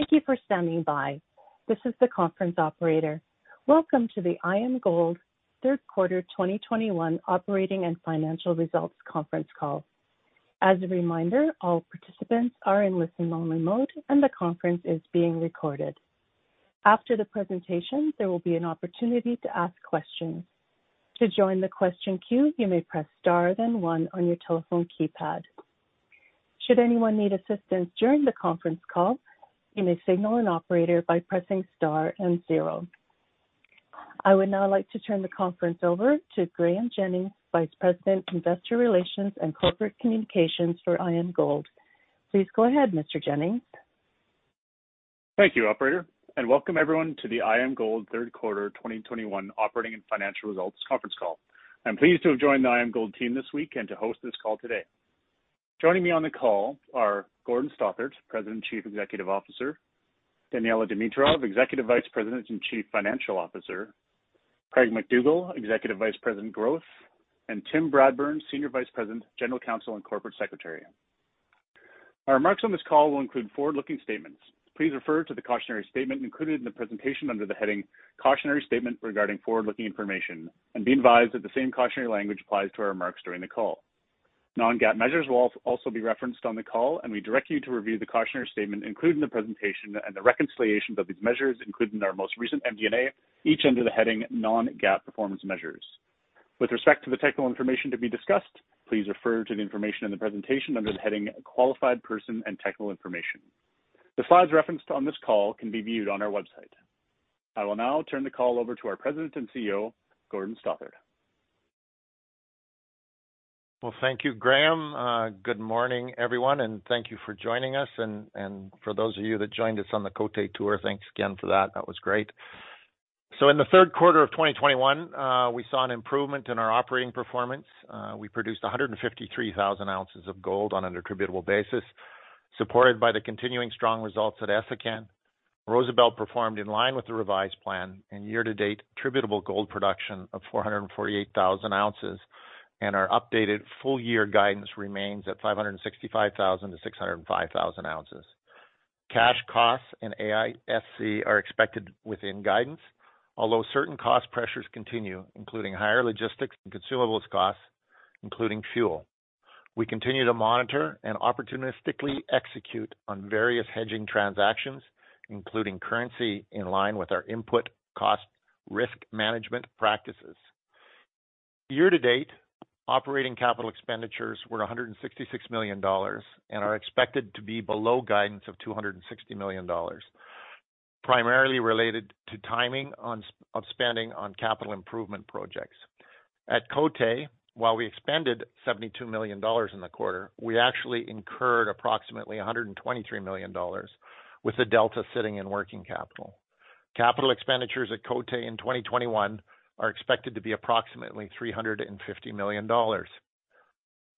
Thank you for standing by. This is the conference operator. Welcome to the IAMGOLD third quarter 2021 operating and financial results conference call. As a reminder, all participants are in listen-only mode and the conference is being recorded. After the presentation, there will be an opportunity to ask questions. To join the question queue, you may press star, then one on your telephone keypad. Should anyone need assistance during the conference call, you may signal an operator by pressing star and zero. I would now like to turn the conference over to Graeme Jennings, Vice President, Investor Relations and Corporate Communications for IAMGOLD. Please go ahead, Mr. Jennings. Thank you, operator, and welcome everyone to the IAMGOLD third quarter 2021 operating and financial results conference call. I'm pleased to have joined the IAMGOLD team this week and to host this call today. Joining me on the call are Gordon Stothart, President, Chief Executive Officer, Daniella Dimitrov, Executive Vice President and Chief Financial Officer, Craig MacDougall, Executive Vice President, Growth, and Tim Bradburn, Senior Vice President, General Counsel, and Corporate Secretary. Our remarks on this call will include forward-looking statements. Please refer to the cautionary statement included in the presentation under the heading "Cautionary Statement Regarding Forward-Looking Information," and be advised that the same cautionary language applies to our remarks during the call. Non-GAAP measures will also be referenced on the call, and we direct you to review the cautionary statement included in the presentation and the reconciliation of these measures included in our most recent MD&A, each under the heading Non-GAAP Performance Measures. With respect to the technical information to be discussed, please refer to the information in the presentation under the heading Qualified Person and Technical Information. The slides referenced on this call can be viewed on our website. I will now turn the call over to our President and CEO, Gordon Stothart. Well, thank you, Graeme. Good morning, everyone, and thank you for joining us. For those of you that joined us on the Côté tour, thanks again for that. That was great. In the third quarter of 2021, we saw an improvement in our operating performance. We produced 153,000 ounces of gold on an attributable basis, supported by the continuing strong results at Essakane. Rosebel performed in line with the revised plan and year-to-date attributable gold production of 448,000 ounces, and our updated full year guidance remains at 565,000-605,000 ounces. Cash costs and AISC are expected within guidance, although certain cost pressures continue, including higher logistics and consumables costs, including fuel. We continue to monitor and opportunistically execute on various hedging transactions, including currency, in line with our input cost risk management practices. Year-to-date, operating capital expenditures were $166 million and are expected to be below guidance of $260 million, primarily related to timing of spending on capital improvement projects. At Côté, while we expended $72 million in the quarter, we actually incurred approximately $123 million, with the delta sitting in working capital. Capital expenditures at Côté in 2021 are expected to be approximately $350 million.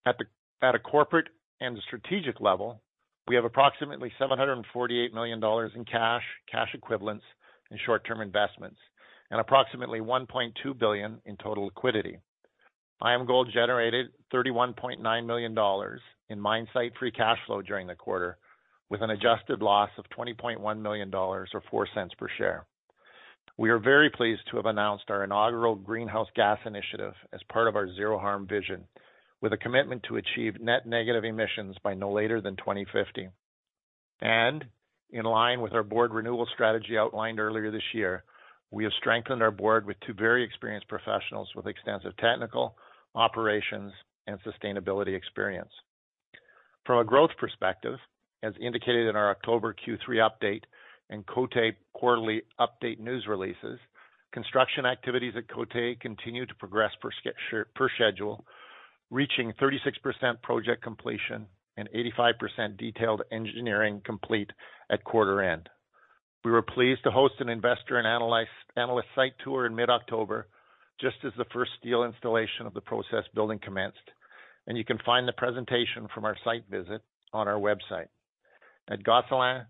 At a corporate and strategic level, we have approximately $748 million in cash equivalents, and short-term investments, and approximately $1.2 billion in total liquidity. IAMGOLD generated $31.9 million in mine site free cash flow during the quarter, with an adjusted loss of $20.1 million or $0.04 per share. We are very pleased to have announced our inaugural greenhouse gas initiative as part of our zero harm vision, with a commitment to achieve net negative emissions by no later than 2050. In line with our board renewal strategy outlined earlier this year, we have strengthened our board with two very experienced professionals with extensive technical, operations, and sustainability experience. From a growth perspective, as indicated in our October Q3 update and Côté quarterly update news releases, construction activities at Côté continue to progress per schedule, reaching 36% project completion and 85% detailed engineering complete at quarter end. We were pleased to host an investor and analyst site tour in mid-October, just as the first steel installation of the process building commenced, and you can find the presentation from our site visit on our website. At Gosselin, we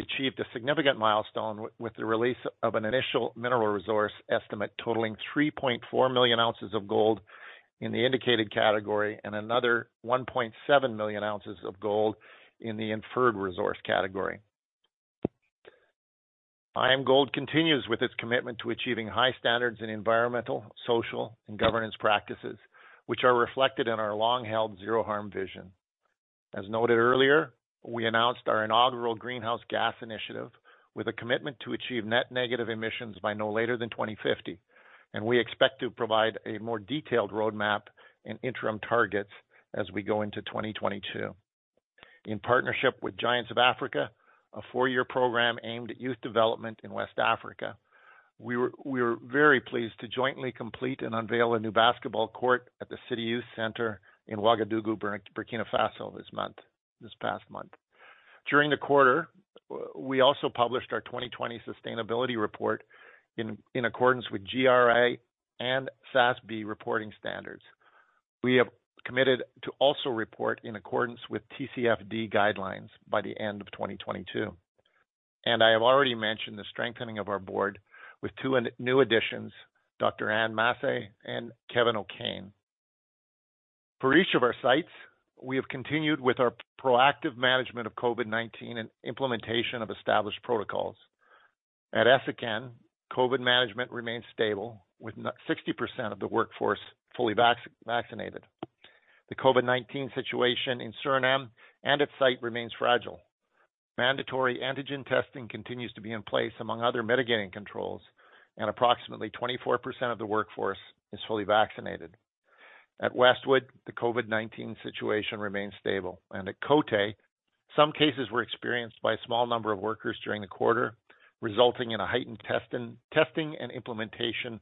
achieved a significant milestone with the release of an initial mineral resource estimate totaling 3.4 million ounces of gold in the indicated category and another 1.7 million ounces of gold in the inferred resource category. IAMGOLD continues with its commitment to achieving high standards in environmental, social, and governance practices, which are reflected in our long-held zero harm vision. As noted earlier, we announced our inaugural greenhouse gas initiative with a commitment to achieve net negative emissions by no later than 2050, and we expect to provide a more detailed roadmap and interim targets as we go into 2022. In partnership with Giants of Africa, a four-year program aimed at youth development in West Africa. We were very pleased to jointly complete and unveil a new basketball court at the City Youth Center in Ouagadougou, Burkina Faso this past month. During the quarter, we also published our 2020 sustainability report in accordance with GRI and SASB reporting standards. We have committed to also report in accordance with TCFD guidelines by the end of 2022. I have already mentioned the strengthening of our board with two new additions, Dr. Anne Masse and Kevin O'Kane. For each of our sites, we have continued with our proactive management of COVID-19 and implementation of established protocols. At Essakane, COVID management remains stable with 60% of the workforce fully vaccinated. The COVID-19 situation in Suriname and its site remains fragile. Mandatory antigen testing continues to be in place among other mitigating controls, and approximately 24% of the workforce is fully vaccinated. At Westwood, the COVID-19 situation remains stable, and at Côté, some cases were experienced by a small number of workers during the quarter, resulting in a heightened testing and implementation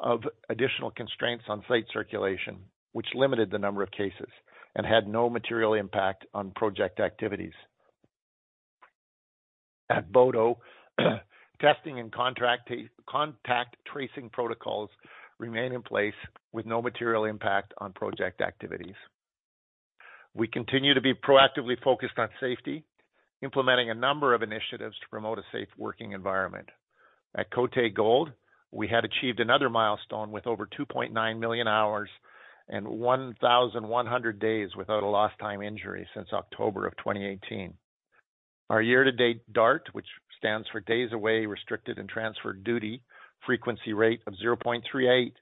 of additional constraints on site circulation, which limited the number of cases and had no material impact on project activities. At Boto, testing and contact tracing protocols remain in place with no material impact on project activities. We continue to be proactively focused on safety, implementing a number of initiatives to promote a safe working environment. At Côté Gold, we had achieved another milestone with over 2.9 million hours and 1,100 days without a lost time injury since October 2018. Our year-to-date DART, which stands for Days Away Restricted and Transferred Duty frequency rate of 0.38,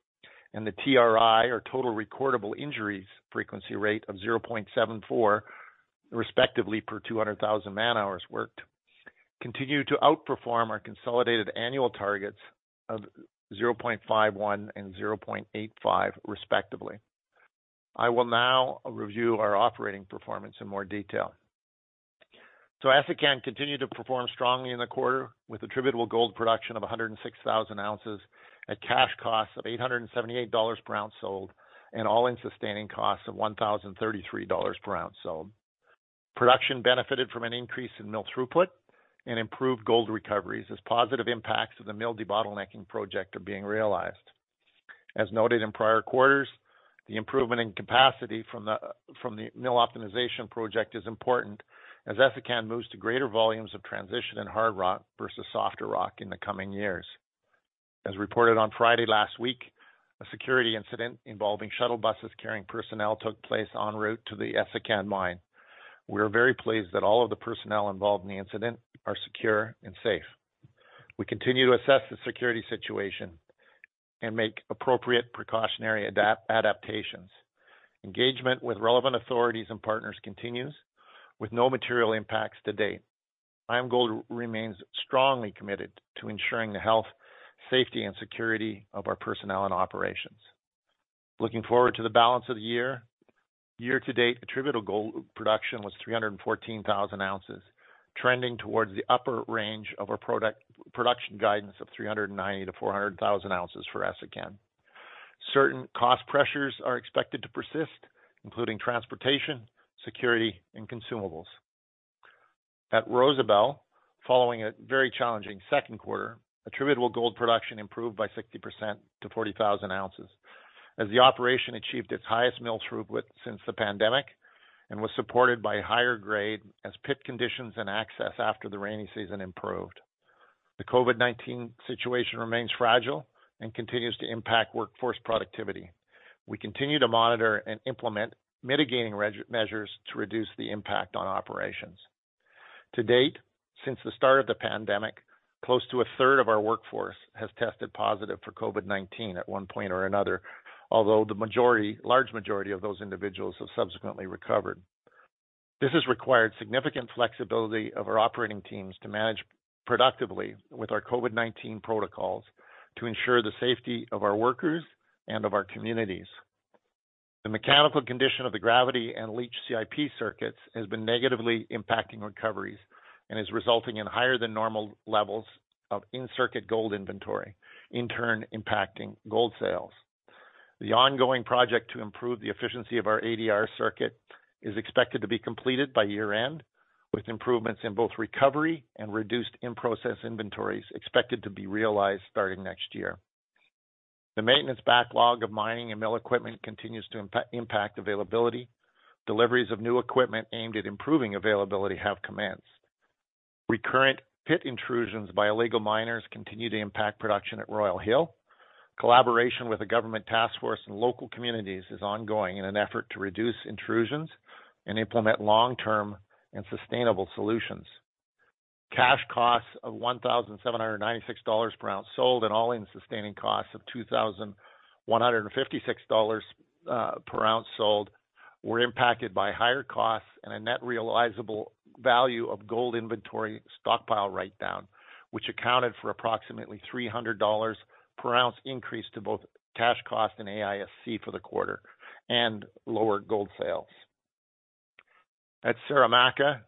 and the TRI, or Total Recordable Injuries frequency rate of 0.74, respectively, per 200,000 man-hours worked, continue to outperform our consolidated annual targets of 0.51 and 0.85, respectively. I will now review our operating performance in more detail. Essakane continued to perform strongly in the quarter with attributable gold production of 106,000 ounces at cash costs of $878 per ounce sold and all-in sustaining costs of $1,033 per ounce sold. Production benefited from an increase in mill throughput and improved gold recoveries as positive impacts of the mill debottlenecking project are being realized. As noted in prior quarters, the improvement in capacity from the, from the mill optimization project is important as Essakane moves to greater volumes of transition in hard rock versus softer rock in the coming years. As reported on Friday last week, a security incident involving shuttle buses carrying personnel took place en route to the Essakane mine. We are very pleased that all of the personnel involved in the incident are secure and safe. We continue to assess the security situation and make appropriate precautionary adaptations. Engagement with relevant authorities and partners continues with no material impacts to date. IAMGOLD remains strongly committed to ensuring the health, safety, and security of our personnel and operations. Looking forward to the balance of the year-to-date attributable gold production was 314,000 ounces, trending towards the upper range of our product-production guidance of 390,000-400,000 ounces for Essakane. Certain cost pressures are expected to persist, including transportation, security, and consumables. At Rosebel, following a very challenging second quarter, attributable gold production improved by 60% to 40,000 ounces as the operation achieved its highest mill throughput since the pandemic and was supported by higher grade as pit conditions and access after the rainy season improved. The COVID-19 situation remains fragile and continues to impact workforce productivity. We continue to monitor and implement mitigating measures to reduce the impact on operations. To date, since the start of the pandemic, close to a third of our workforce has tested positive for COVID-19 at one point or another, although the majority, large majority of those individuals have subsequently recovered. This has required significant flexibility of our operating teams to manage productively with our COVID-19 protocols to ensure the safety of our workers and of our communities. The mechanical condition of the gravity and leach CIP circuits has been negatively impacting recoveries and is resulting in higher than normal levels of in-circuit gold inventory, in turn impacting gold sales. The ongoing project to improve the efficiency of our ADR circuit is expected to be completed by year-end, with improvements in both recovery and reduced in-process inventories expected to be realized starting next year. The maintenance backlog of mining and mill equipment continues to impact availability. Deliveries of new equipment aimed at improving availability have commenced. Recurrent pit intrusions by illegal miners continue to impact production at Royal Hill. Collaboration with the government task force and local communities is ongoing in an effort to reduce intrusions and implement long-term and sustainable solutions. Cash costs of $1,796 per ounce sold and all-in sustaining costs of $2,156 per ounce sold were impacted by higher costs and a net realizable value of gold inventory stockpile write-down, which accounted for approximately $300 per ounce increase to both cash cost and AISC for the quarter and lower gold sales. At Saramacca,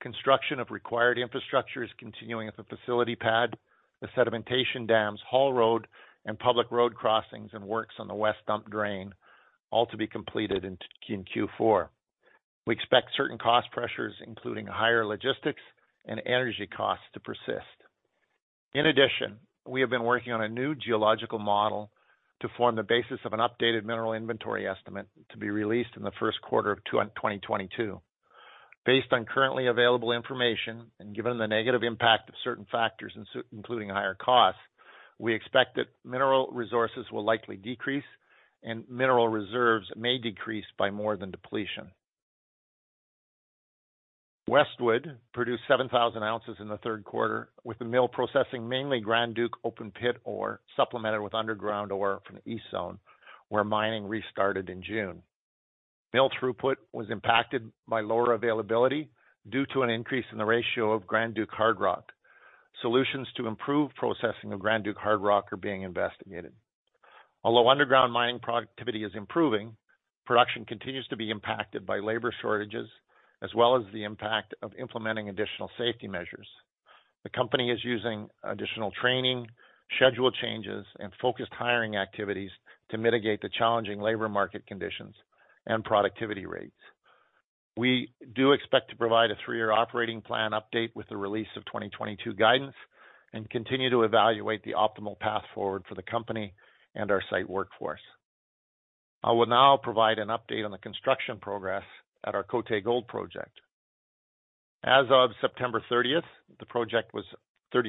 construction of required infrastructure is continuing at the facility pad. The sedimentation dams, haul road, and public road crossings and works on the west dump drain, all to be completed in Q4. We expect certain cost pressures, including higher logistics and energy costs, to persist. In addition, we have been working on a new geological model to form the basis of an updated mineral inventory estimate to be released in the first quarter of 2022. Based on currently available information and given the negative impact of certain factors, including higher costs, we expect that mineral resources will likely decrease and mineral reserves may decrease by more than depletion. Westwood produced 7,000 ounces in the third quarter with the mill processing mainly Grand Duke open pit ore, supplemented with underground ore from the East Zone, where mining restarted in June. Mill throughput was impacted by lower availability due to an increase in the ratio of Grand Duke hard rock. Solutions to improve processing of Grand Duke hard rock are being investigated. Although underground mining productivity is improving, production continues to be impacted by labor shortages as well as the impact of implementing additional safety measures. The company is using additional training, schedule changes, and focused hiring activities to mitigate the challenging labor market conditions and productivity rates. We do expect to provide a three-year operating plan update with the release of 2022 guidance and continue to evaluate the optimal path forward for the company and our site workforce. I will now provide an update on the construction progress at our Côté Gold project. As of September 30, the project was 36%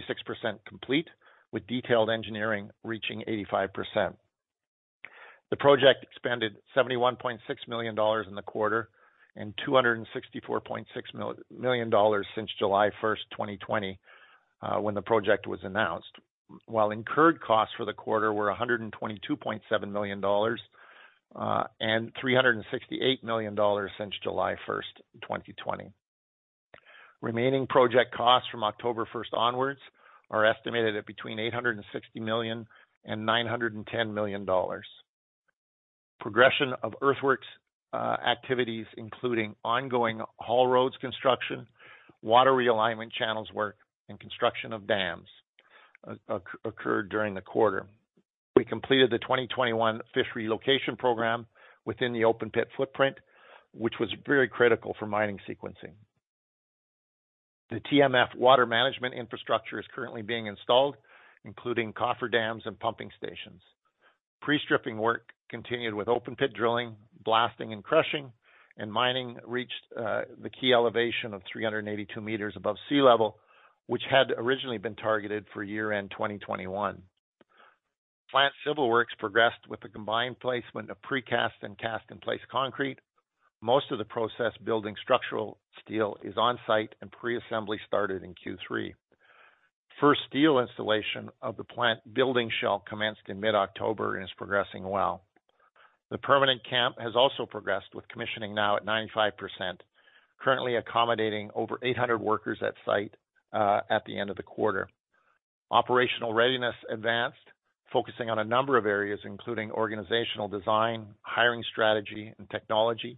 complete, with detailed engineering reaching 85%. The project expended $71.6 million in the quarter and $264.6 million since July 1, 2020, when the project was announced. While incurred costs for the quarter were $122.7 million and $368 million since July 1, 2020. Remaining project costs from October 1 onwards are estimated at between $860 million and $910 million. Progression of earthworks activities, including ongoing haul roads construction, water realignment channels work, and construction of dams occurred during the quarter. We completed the 2021 fish relocation program within the open pit footprint, which was very critical for mining sequencing. The TMF water management infrastructure is currently being installed, including coffer dams and pumping stations. Pre-stripping work continued with open pit drilling, blasting, and crushing, and mining reached the key elevation of 382 meters above sea level, which had originally been targeted for year-end 2021. Plant civil works progressed with the combined placement of precast and cast-in-place concrete. Most of the process building structural steel is on-site, and pre-assembly started in Q3. First steel installation of the plant building shell commenced in mid-October and is progressing well. The permanent camp has also progressed, with commissioning now at 95%, currently accommodating over 800 workers at site, at the end of the quarter. Operational readiness advanced, focusing on a number of areas including organizational design, hiring strategy and technology,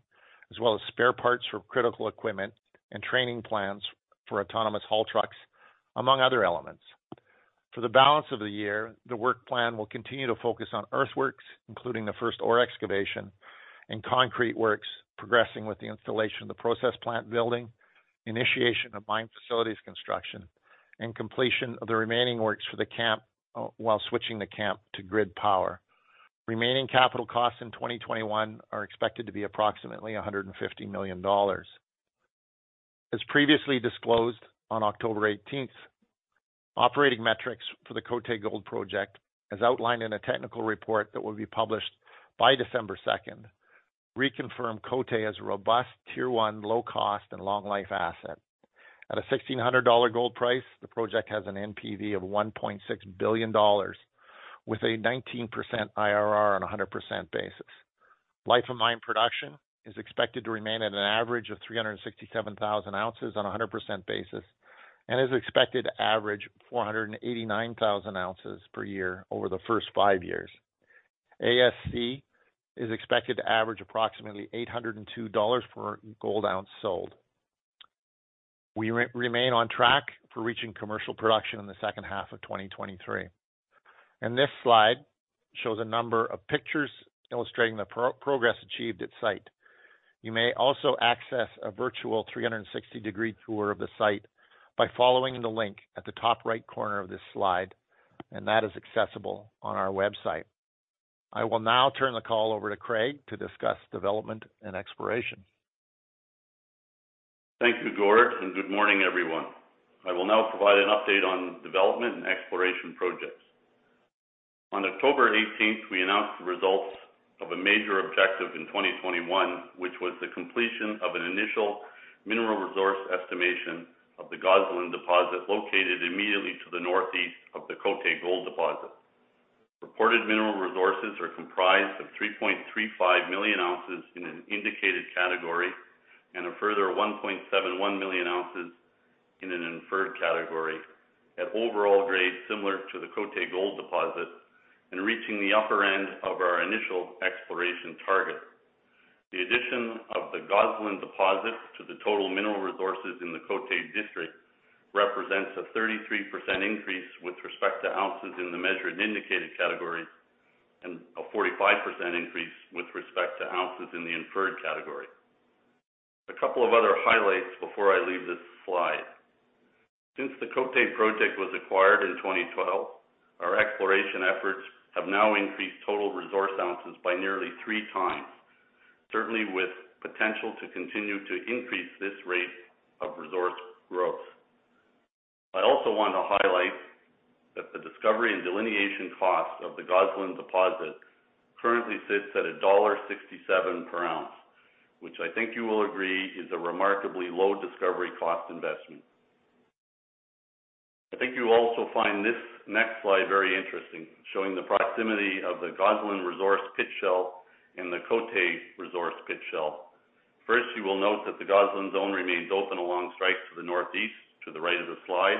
as well as spare parts for critical equipment and training plans for autonomous haul trucks, among other elements. For the balance of the year, the work plan will continue to focus on earthworks, including the first ore excavation and concrete works progressing with the installation of the process plant building, initiation of mine facilities construction, and completion of the remaining works for the camp while switching the camp to grid power. Remaining capital costs in 2021 are expected to be approximately $150 million. As previously disclosed on October eighteenth, operating metrics for the Côté Gold project, as outlined in a technical report that will be published by December second, reconfirm Côté as a robust tier one low cost and long life asset. At a $1,600 gold price, the project has an NPV of $1.6 billion with a 19% IRR on a 100% basis. Life of mine production is expected to remain at an average of 367,000 ounces on a 100% basis and is expected to average 489,000 ounces per year over the first five years. AISC is expected to average approximately $802 per gold ounce sold. We remain on track for reaching commercial production in the second half of 2023. This slide shows a number of pictures illustrating the progress achieved at site. You may also access a virtual 360-degree tour of the site by following the link at the top right corner of this slide, and that is accessible on our website. I will now turn the call over to Craig to discuss development and exploration. Thank you, Gord, and good morning, everyone. I will now provide an update on development and exploration projects. On October 18, we announced the results of a major objective in 2021, which was the completion of an initial mineral resource estimation of the Gosselin deposit located immediately to the northeast of the Côté Gold deposit. Reported mineral resources are comprised of 3.35 million ounces in an indicated category and a further 1.71 million ounces in an inferred category at overall grade similar to the Côté Gold deposit and reaching the upper end of our initial exploration target. The addition of the Gosselin deposit to the total mineral resources in the Côté district represents a 33% increase with respect to ounces in the measured and indicated category, and a 45% increase with respect to ounces in the inferred category. A couple of other highlights before I leave this slide. Since the Côté project was acquired in 2012, our exploration efforts have now increased total resource ounces by nearly three times, certainly with potential to continue to increase this rate of resource growth. I also want to highlight that the discovery and delineation cost of the Gosselin deposit currently sits at $67 per ounce, which I think you will agree is a remarkably low discovery cost investment. I think you will also find this next slide very interesting, showing the proximity of the Gosselin resource pit shell and the Côté resource pit shell. First, you will note that the Gosselin zone remains open along strike to the northeast to the right of the slide,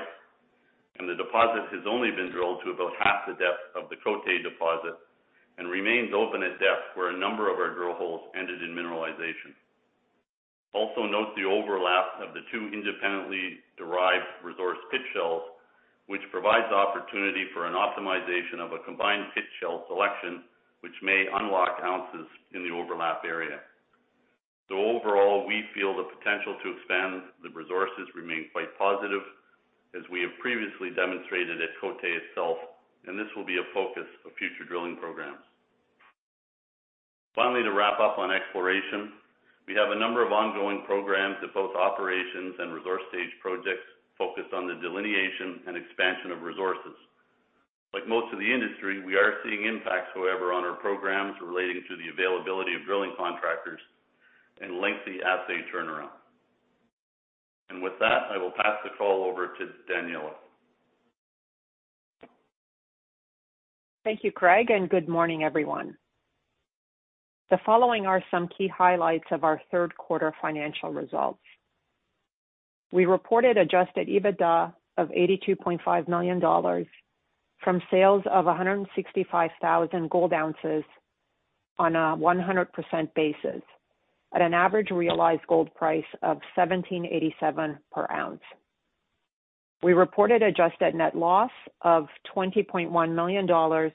and the deposit has only been drilled to about half the depth of the Côté deposit and remains open at depth where a number of our drill holes ended in mineralization. Also note the overlap of the two independently derived resource pit shells, which provides the opportunity for an optimization of a combined pit shell selection, which may unlock ounces in the overlap area. Overall, we feel the potential to expand the resources remain quite positive as we have previously demonstrated at Côté itself, and this will be a focus of future drilling programs. Finally, to wrap up on exploration, we have a number of ongoing programs at both operations and resource stage projects focused on the delineation and expansion of resources. Like most of the industry, we are seeing impacts, however, on our programs relating to the availability of drilling contractors and lengthy assay turnaround. With that, I will pass the call over to Daniella. Thank you, Craig, and good morning, everyone. The following are some key highlights of our third quarter financial results. We reported adjusted EBITDA of $82.5 million from sales of 165,000 gold ounces on a 100% basis at an average realized gold price of $1,787 per ounce. We reported adjusted net loss of $20.1 million or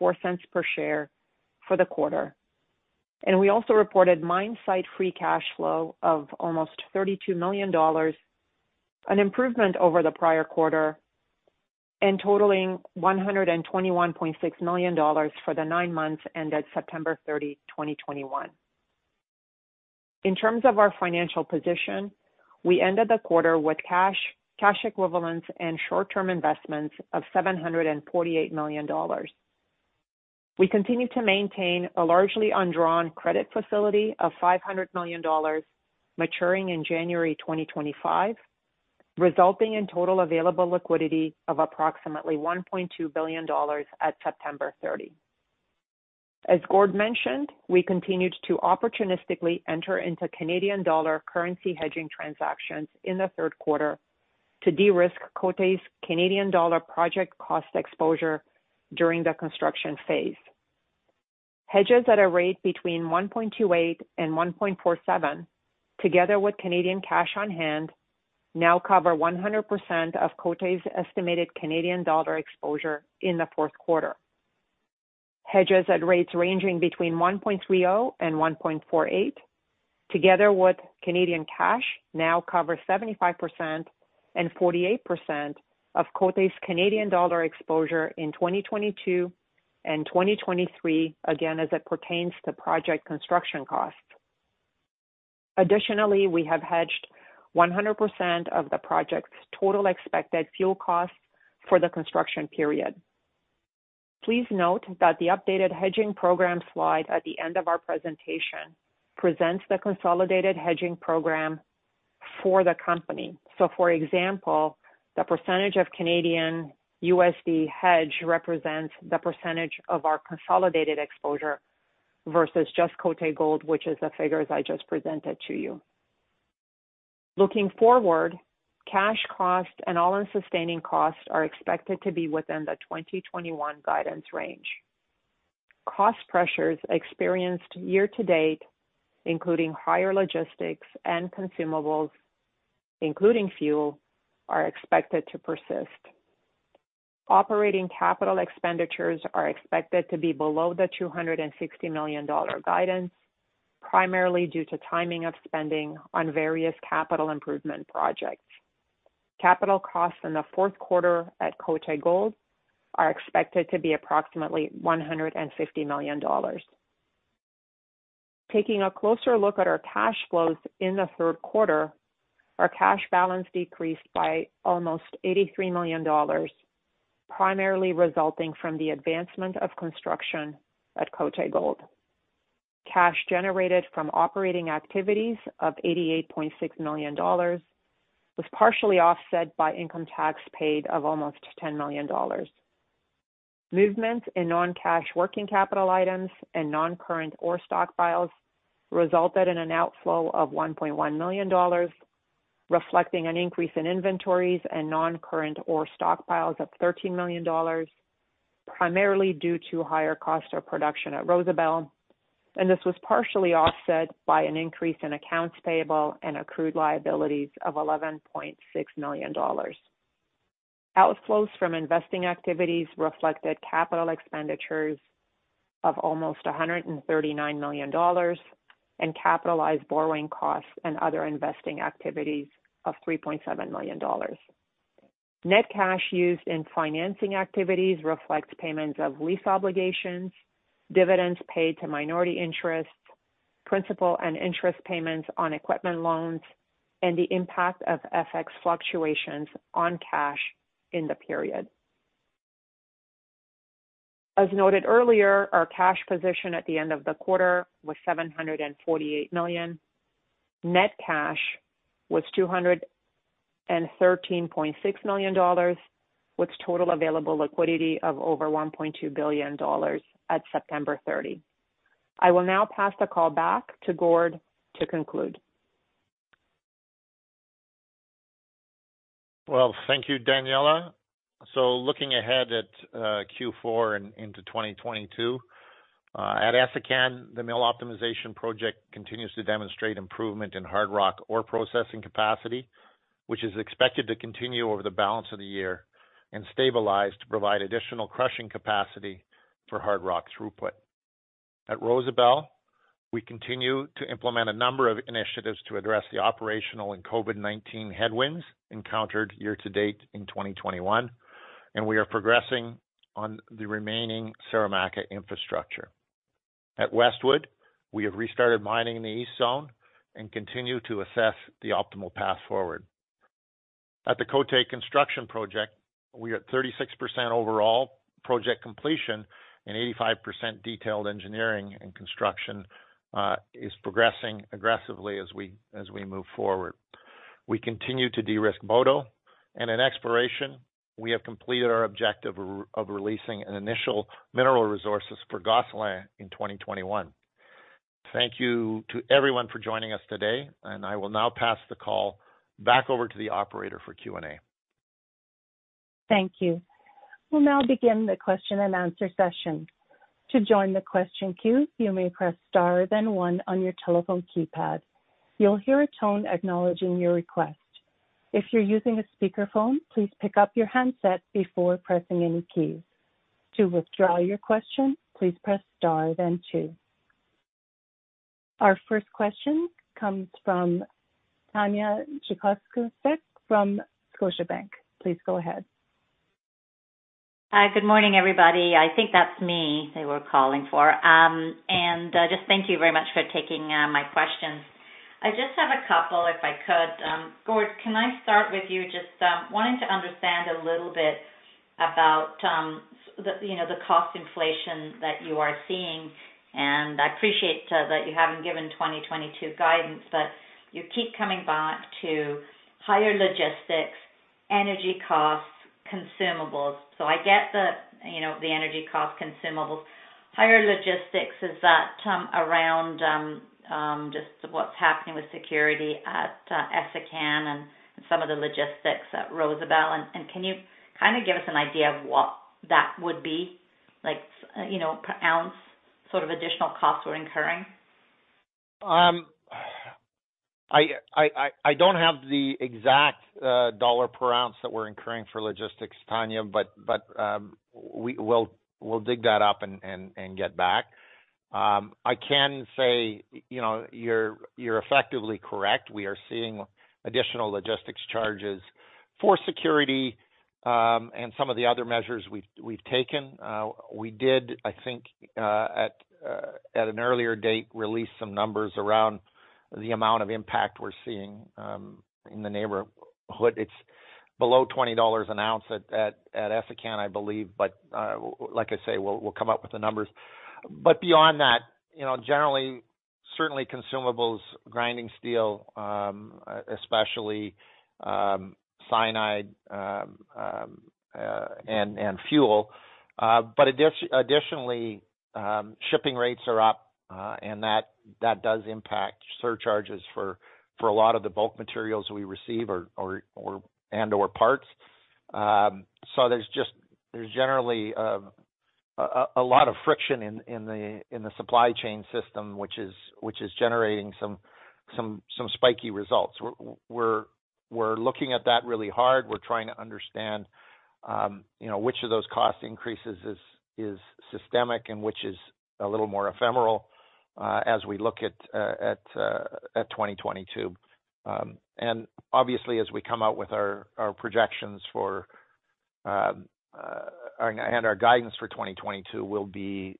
$0.04 per share for the quarter. We also reported mine site free cash flow of almost $32 million, an improvement over the prior quarter, and totaling $121.6 million for the nine months ended September 30, 2021. In terms of our financial position, we ended the quarter with cash equivalents and short-term investments of $748 million. We continue to maintain a largely undrawn credit facility of $500 million maturing in January 2025, resulting in total available liquidity of approximately $1.2 billion at September 30. As Gord mentioned, we continued to opportunistically enter into Canadian dollar currency hedging transactions in the third quarter to de-risk Côté's Canadian dollar project cost exposure during the construction phase. Hedges at a rate between 1.28 and 1.47, together with Canadian cash on hand, now cover 100% of Côté's estimated Canadian dollar exposure in the fourth quarter. Hedges at rates ranging between 1.30 and 1.48, together with Canadian cash, now cover 75% and 48% of Côté's Canadian dollar exposure in 2022 and 2023, again, as it pertains to project construction costs. Additionally, we have hedged 100% of the project's total expected fuel costs for the construction period. Please note that the updated hedging program slide at the end of our presentation presents the consolidated hedging program for the company. For example, the percentage of Canadian USD hedge represents the percentage of our consolidated exposure versus just Côté Gold, which is the figures I just presented to you. Looking forward, cash costs and all-in sustaining costs are expected to be within the 2021 guidance range. Cost pressures experienced year to date, including higher logistics and consumables, including fuel, are expected to persist. Operating capital expenditures are expected to be below the $260 million guidance, primarily due to timing of spending on various capital improvement projects. Capital costs in the fourth quarter at Côté Gold are expected to be approximately $150 million. Taking a closer look at our cash flows in the third quarter, our cash balance decreased by almost $83 million, primarily resulting from the advancement of construction at Côté Gold. Cash generated from operating activities of $88.6 million was partially offset by income tax paid of almost $10 million. Movements in non-cash working capital items and noncurrent ore stockpiles resulted in an outflow of $1.1 million, reflecting an increase in inventories and noncurrent ore stockpiles of $13 million, primarily due to higher cost of production at Rosebel. This was partially offset by an increase in accounts payable and accrued liabilities of $11.6 million. Outflows from investing activities reflected capital expenditures of almost $139 million and capitalized borrowing costs and other investing activities of $3.7 million. Net cash used in financing activities reflects payments of lease obligations, dividends paid to minority interests, principal and interest payments on equipment loans, and the impact of FX fluctuations on cash in the period. As noted earlier, our cash position at the end of the quarter was $748 million. Net cash was $213.6 million, with total available liquid ity of over $1.2 billion at September 30. I will now pass the call back to Gord to conclude. Well, thank you, Daniella. Looking ahead at Q4 and into 2022 at Essakane, the mill optimization project continues to demonstrate improvement in hard rock ore processing capacity, which is expected to continue over the balance of the year and stabilize to provide additional crushing capacity for hard rock throughput. At Rosebel, we continue to implement a number of initiatives to address the operational and COVID-19 headwinds encountered year to date in 2021, and we are progressing on the remaining Saramacca infrastructure. At Westwood, we have restarted mining in the East Zone and continue to assess the optimal path forward. At the Côté construction project, we are at 36% overall project completion and 85% detailed engineering and construction is progressing aggressively as we move forward. We continue to de-risk Boto, and in exploration, we have completed our objective of releasing an initial mineral resources for Gosselin in 2021. Thank you to everyone for joining us today, and I will now pass the call back over to the operator for Q&A. Thank you. We'll now begin the question and answer session. To join the question queue, you may press star then one on your telephone keypad. You'll hear a tone acknowledging your request. If you're using a speakerphone, please pick up your handset before pressing any keys. To withdraw your question, please press star then two. Our first question comes from Tanya Jakusconek from Scotiabank. Please go ahead. Hi, good morning, everybody. I think that's me they were calling for. Just thank you very much for taking my questions. I just have a couple if I could. Gord, can I start with you just wanting to understand a little bit about the you know the cost inflation that you are seeing, and I appreciate that you haven't given 2022 guidance, but you keep coming back to higher logistics, energy costs, consumables. I get the you know the energy costs, consumables. Higher logistics, is that around just what's happening with security at Essakane and some of the logistics at Rosebel? And can you kind of give us an idea of what that would be like, you know, per ounce sort of additional costs we're incurring? I don't have the exact dollar per ounce that we're incurring for logistics, Tanya, but we'll dig that up and get back. I can say, you know, you're effectively correct. We are seeing additional logistics charges for security and some of the other measures we've taken. We did, I think, at an earlier date, release some numbers around the amount of impact we're seeing in the neighborhood. It's below $20 an ounce at Essakane, I believe. Like I say, we'll come up with the numbers. Beyond that, you know, generally, certainly consumables, grinding steel, especially cyanide and fuel. Additionally, shipping rates are up, and that does impact surcharges for a lot of the bulk materials we receive or and/or parts. There's generally a lot of friction in the supply chain system, which is generating some spiky results. We're looking at that really hard. We're trying to understand, you know, which of those cost increases is systemic and which is a little more ephemeral as we look at 2022. Obviously, as we come out with our projections for 2022 and our guidance for 2022, we'll be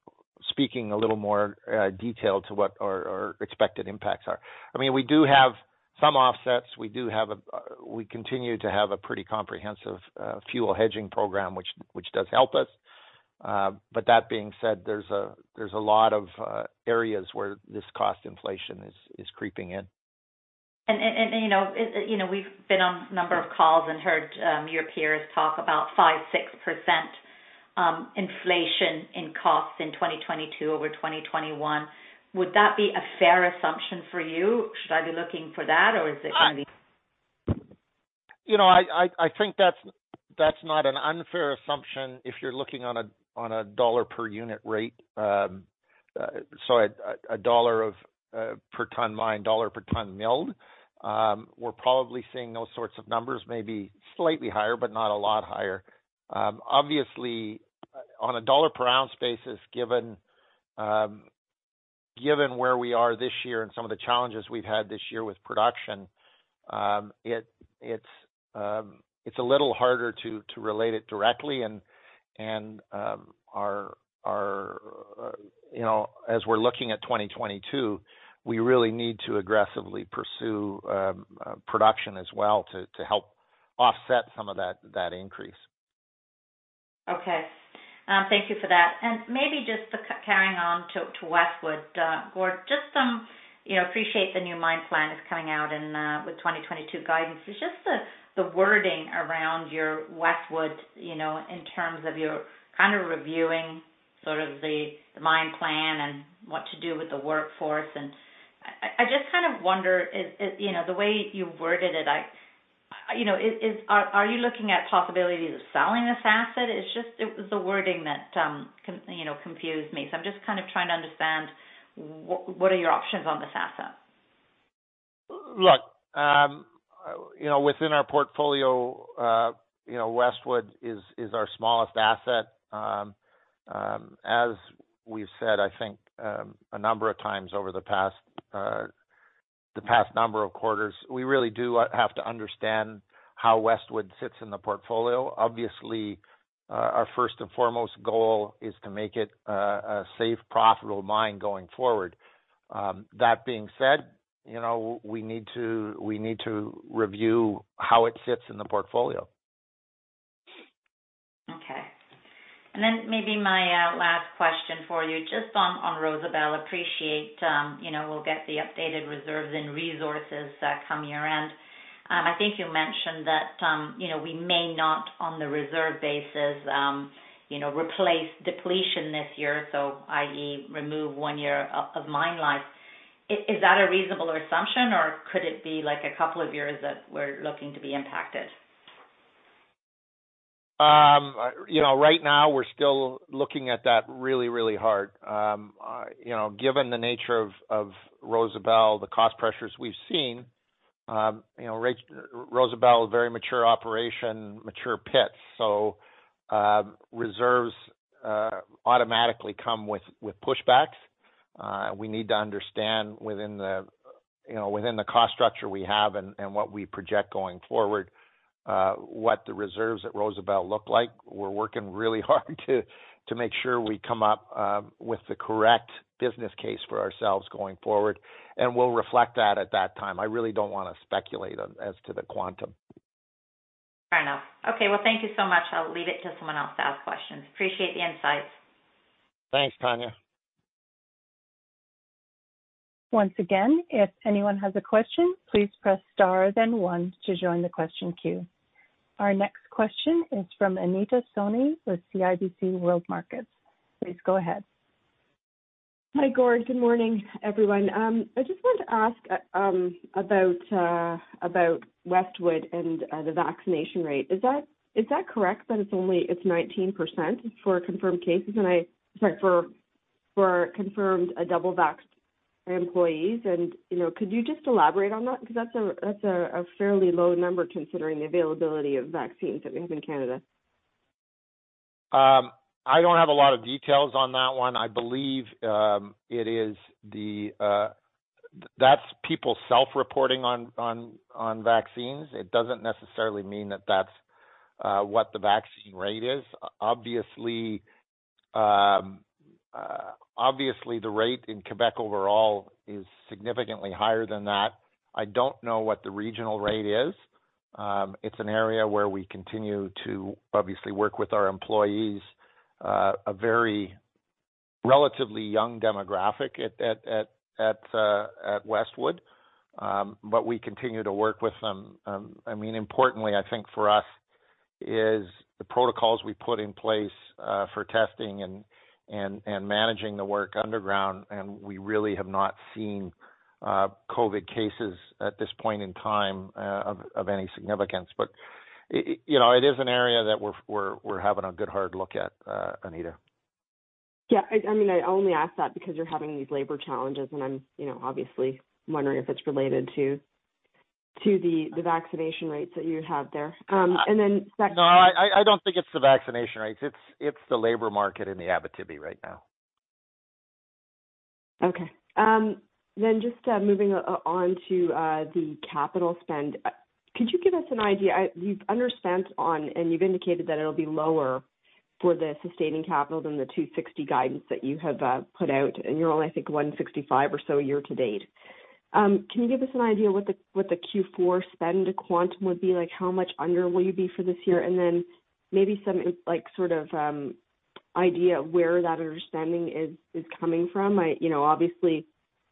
speaking a little more detailed to what our expected impacts are. I mean, we do have some offsets. We continue to have a pretty comprehensive fuel hedging program, which does help us. That being said, there's a lot of areas where this cost inflation is creeping in. You know, we've been on a number of calls and heard your peers talk about 5%-6% inflation in costs in 2022 over 2021. Would that be a fair assumption for you? Should I be looking for that, or is it going to be- You know, I think that's not an unfair assumption if you're looking on a dollar per unit rate, so a dollar per ton mined, dollar per ton milled, we're probably seeing those sorts of numbers maybe slightly higher, but not a lot higher. Obviously, on a dollar per ounce basis, given where we are this year and some of the challenges we've had this year with production, it's a little harder to relate it directly. You know, as we're looking at 2022, we really need to aggressively pursue production as well to help offset some of that increase. Okay. Thank you for that. Maybe just carrying on to Westwood, Gord, just some appreciate the new mine plan is coming out and with 2022 guidance. It's just the wording around your Westwood, you know, in terms of you're kind of reviewing sort of the mine plan and what to do with the workforce. I just kind of wonder is, you know, the way you worded it, you know, is are you looking at possibilities of selling this asset. It's just it was the wording that you know confused me. I'm just kind of trying to understand what are your options on this asset. Look, you know, within our portfolio, Westwood is our smallest asset. As we've said, I think, a number of times over the past, the past number of quarters, we really do have to understand how Westwood sits in the portfolio. Obviously, our first and foremost goal is to make it a safe, profitable mine going forward. That being said, you know, we need to review how it sits in the portfolio. Okay. Maybe my last question for you, just on Rosebel. I appreciate we'll get the updated reserves and resources come year-end. I think you mentioned that we may not, on the reserve basis, replace depletion this year, so i.e., remove one year of mine life. Is that a reasonable assumption, or could it be like a couple of years that we're looking to be impacted? You know, right now we're still looking at that really hard. You know, given the nature of Rosebel, the cost pressures we've seen, you know, Rosebel, very mature operation, mature pits. Reserves automatically come with pushbacks. We need to understand within the, you know, within the cost structure we have and what we project going forward, what the reserves at Rosebel look like. We're working really hard to make sure we come up with the correct business case for ourselves going forward, and we'll reflect that at that time. I really don't wanna speculate as to the quantum. Fair enough. Okay. Well, thank you so much. I'll leave it to someone else to ask questions. Appreciate the insights. Thanks, Tanya. Once again, if anyone has a question, please press star, then one to join the question queue. Our next question is from Anita Soni with CIBC World Markets. Please go ahead. Hi, Gord. Good morning, everyone. I just wanted to ask about Westwood and the vaccination rate. Is that correct, that it's only 19% for confirmed cases? Sorry, for confirmed double vaxxed employees. You know, could you just elaborate on that? Because that's a fairly low number considering the availability of vaccines that we have in Canada. I don't have a lot of details on that one. I believe that's people self-reporting on vaccines. It doesn't necessarily mean that that's what the vaccine rate is. Obviously, the rate in Quebec overall is significantly higher than that. I don't know what the regional rate is. It's an area where we continue to obviously work with our employees, a very relatively young demographic at Westwood. We continue to work with them. I mean, importantly, I think for us is the protocols we put in place for testing and managing the work underground, and we really have not seen COVID cases at this point in time of any significance. You know, it is an area that we're having a good hard look at, Anita. Yeah. I mean, I only ask that because you're having these labor challenges, and I'm, you know, obviously wondering if it's related to the vaccination rates that you have there. Second- No, I don't think it's the vaccination rates. It's the labor market in the Abitibi right now. Okay. Just moving on to the capital spend. Could you give us an idea? You've underspent on, and you've indicated that it'll be lower for the sustaining capital than the $260 guidance that you have put out, and you're only, I think, $165 or so year to date. Can you give us an idea what the Q4 spend quantum would be like? How much under will you be for this year? And then maybe some, like, sort of, idea of where that underspend is coming from. You know, obviously,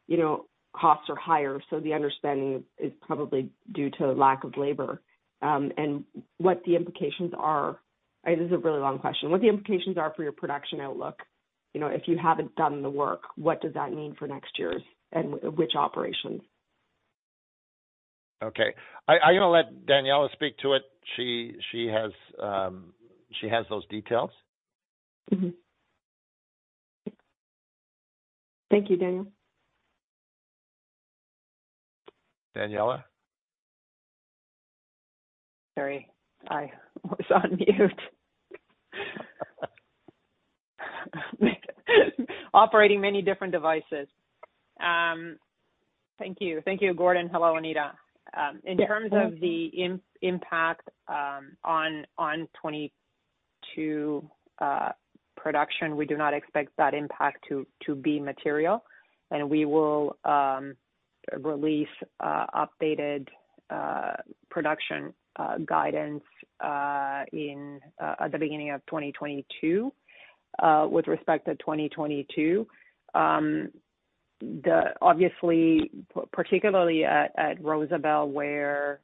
you know, costs are higher, so the underspend is probably due to lack of labor, and what the implications are. This is a really long question. What the implications are for your production outlook? You know, if you haven't done the work, what does that mean for next year's and which operations? Okay. I'm gonna let Daniella speak to it. She has those details. Thank you, Daniella. Daniella? Sorry, I was on mute. Operating many different devices. Thank you. Thank you, Gordon. Hello, Anita. In terms of the impact on 2022 production, we do not expect that impact to be material. We will release updated production guidance at the beginning of 2022. With respect to 2022, obviously, particularly at Rosebel where,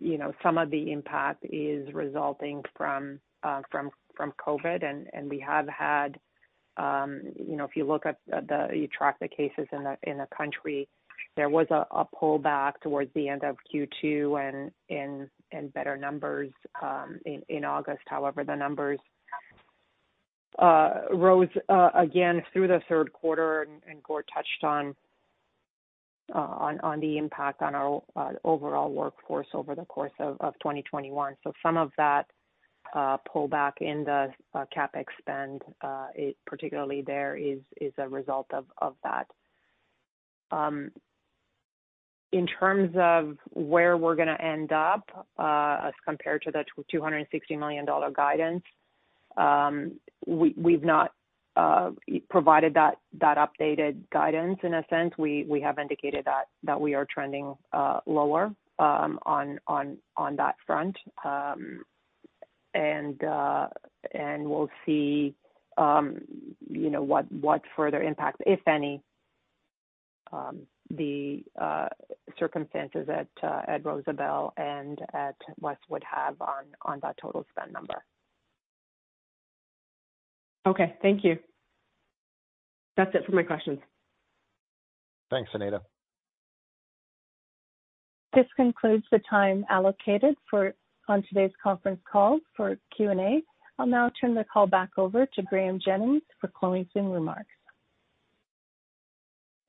you know, some of the impact is resulting from COVID. We have had, you know, if you look at you track the cases in the country, there was a pullback towards the end of Q2 and in better numbers in August. However, the numbers rose again through the third quarter. Gord touched on the impact on our overall workforce over the course of 2021. Some of that pullback in the CapEx spend, it particularly there is a result of that. In terms of where we're gonna end up as compared to the $260 million guidance, we've not provided that updated guidance in a sense. We have indicated that we are trending lower on that front. We'll see you know what further impacts, if any, the circumstances at Rosebel and at Westwood have on that total spend number. Okay. Thank you. That's it for my questions. Thanks, Anita. This concludes the time allocated for Q&A on today's conference call. I'll now turn the call back over to Graeme Jennings for closing remarks.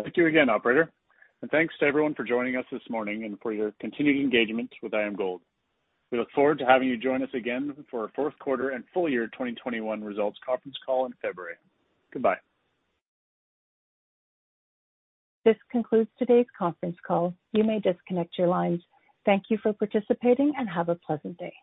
Thank you again, operator, and thanks to everyone for joining us this morning and for your continued engagement with IAMGOLD. We look forward to having you join us again for our fourth quarter and full year 2021 results conference call in February. Goodbye. This concludes today's conference call. You may disconnect your lines. Thank you for participating, and have a pleasant day.